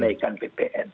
jadi itu yang kita lakukan